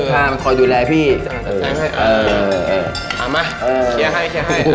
มาเครียร์ให้